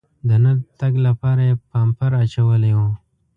د نه تګ لپاره یې پامپر اچولی و.